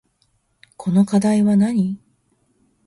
この課題はなに